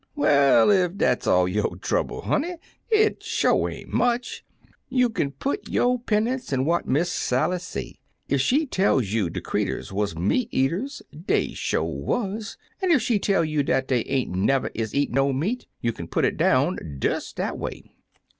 "Well, ef dat's all yo' trouble, honey, it sho' ain't much. You kin put yo' 'pen nunce in what Miss Sally say. Ef she tells you de creeturs wuz meat eaters, dey sho' wuz, an' ef she tell you dat dey ain't never is eat no meat, you kin put it down des dat away."